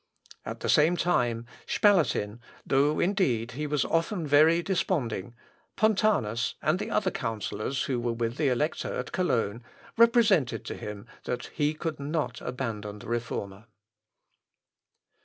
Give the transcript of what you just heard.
At the same time, Spalatin, though indeed he was often very desponding, Pontanus, and the other counsellors who were with the Elector at Cologne, represented to him that he could not abandon the Reformer.